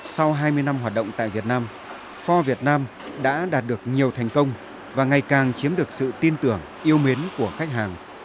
sau hai mươi năm hoạt động tại việt nam forb việt nam đã đạt được nhiều thành công và ngày càng chiếm được sự tin tưởng yêu mến của khách hàng